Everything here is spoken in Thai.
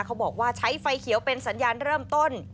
เขาบอกว่าใช้ไฟเขียวเป็นสัญญาณเริ่มต้น